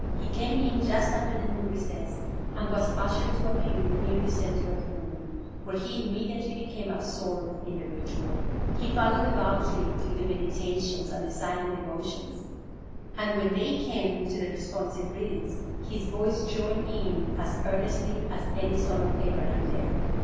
He came in just after the noon recess, and was ushered to a pew near the center of the room, where he immediately became absorbed in the ritual. He followed devoutly through the meditations and the silent devotions, and when they came to the responsive readings, his voice joined in as earnestly as any son of Abraham there.